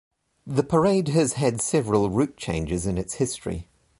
The parade has had several route changes in its history.